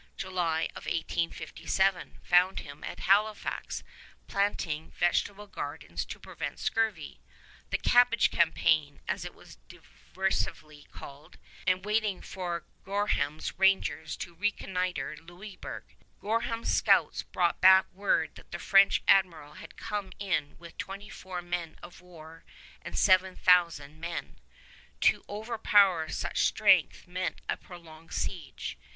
July of 1857 found him at Halifax planting vegetable gardens to prevent scurvy, "the cabbage campaign" it was derisively called, and waiting for Gorham's rangers to reconnoiter Louisburg. Gorham's scouts brought back word that the French admiral had come in with twenty four men of war and seven thousand men. To overpower such strength meant a prolonged siege.